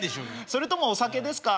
それともお酒ですか？